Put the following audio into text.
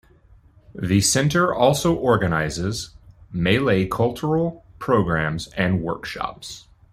The centre also organizes Malay cultural programmes and workshops.